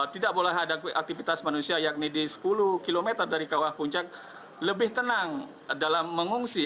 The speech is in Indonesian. tidak boleh ada aktivitas manusia yakni di sepuluh km dari kawah puncak lebih tenang dalam mengungsi